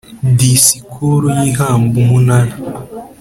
Disikuru y ihamba umunara